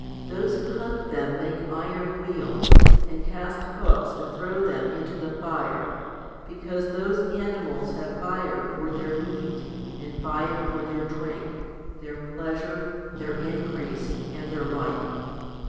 Those who hunt them make iron wheels, and cast hooks and throw them into the fire, because those animals have fire for their meat, and fire for their drink, their pleasure, their increase, and their life.